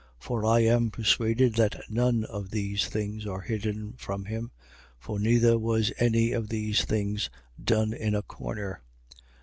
For I am persuaded that none of these things are hidden from him. For neither was any of these things done in a corner.